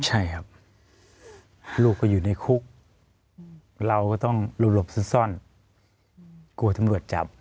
ใช่ครับลูกก็อยู่ในคุกเราก็ต้องหลบซุดซ่อนกลัวตำรวจจับ